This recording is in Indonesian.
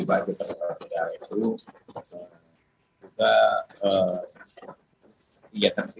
kita harus berpikir pikir untuk berlanjut terus